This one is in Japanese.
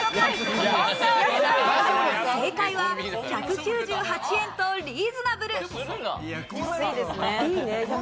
正解は１９８円とリーズナブル。